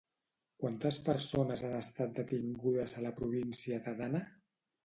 Quantes persones han estat detingudes a la província d'Adana?